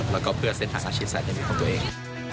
และก็เพื่อเซ็นทางอาชีพในปลาของตัวเอง